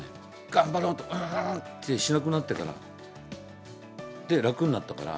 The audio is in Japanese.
頑張ろうって、うーんってしなくなってから、楽になったから。